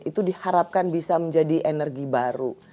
itu diharapkan bisa menjadi energi baru